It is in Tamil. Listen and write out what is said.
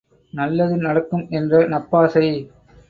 நல்லது நடக்கும் என்ற நப்பாசை.